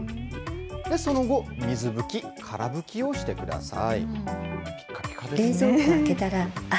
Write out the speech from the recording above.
その後、水拭き、から拭きをしてください。